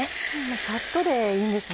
さっとでいいんですね。